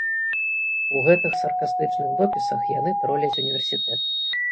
У гэтых саркастычных допісах яны троляць універсітэт.